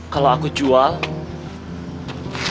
semoga itu hearts siap mu